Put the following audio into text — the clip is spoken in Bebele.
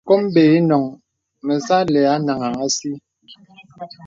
Kôm bə̀s inôŋ məsà àlə̀ anàŋha àsī.